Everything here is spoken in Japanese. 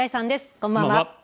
こんばんは。